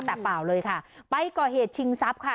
แต่เปล่าเลยค่ะไปก่อเหตุชิงทรัพย์ค่ะ